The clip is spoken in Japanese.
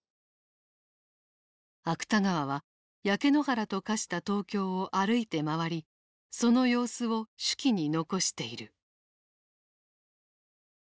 芥川は焼け野原と化した東京を歩いて回りその様子を手記に残している。